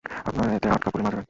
আপনারা এতে আটকা পড়ে মারা যাবেন!